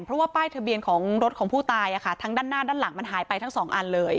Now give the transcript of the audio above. เพราะว่าป้ายทะเบียนของรถของผู้ตายทั้งด้านหน้าด้านหลังมันหายไปทั้งสองอันเลย